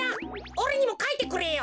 おれにもかいてくれよ。